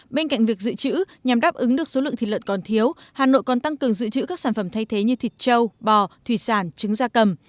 bên cạnh việc dự trữ nhằm đáp ứng được số lượng thịt lợn còn thiếu hà nội còn tăng cường dự trữ các sản phẩm thay thế như thịt châu bò thủy sản trứng gia cầm